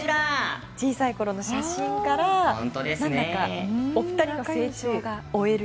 小さいころの写真から何だかお二人の成長が追える。